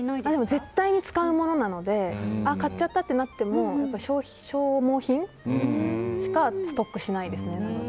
絶対に使うものなのであ、買っちゃったとなっても消耗品しかストックしないですね。